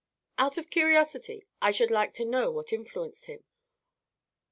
"Out of curiosity, I should like to know what influenced him."